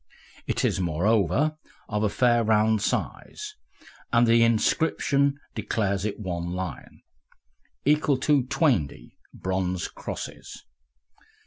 It is, moreover, of a fair round size, and the inscription declares it one Lion, equal to "twaindy" bronze Crosses.